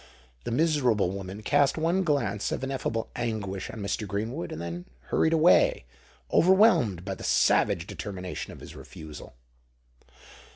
The miserable woman cast one glance of ineffable anguish on Mr. Greenwood, and then hurried away, overwhelmed by the savage determination of his refusal.